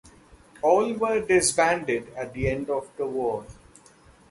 All were disbanded at the end of the war.